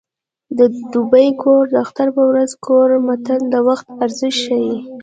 د دوبي کور د اختر په ورځ ګوره متل د وخت ارزښت ښيي